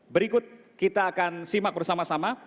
berikut kita akan simak bersama sama